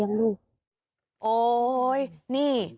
โอ้โฮนี่